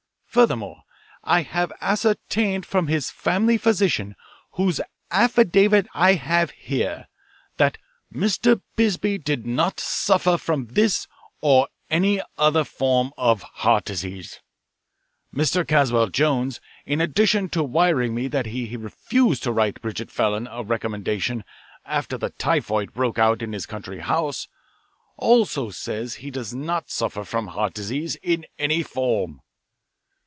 Furthermore, I have ascertained from his family physician, whose affidavit I have here, that Mr. Bisbee did not suffer from this or any other form of heart disease. Mr. Caswell Jones, in addition to wiring me that he refused to write Bridget Fallon a recommendation after the typhoid broke out in his country house, also says he does not suffer from heart disease in any form.